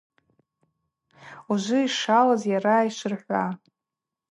Ужвы йшалыз йара йшвырхӏва.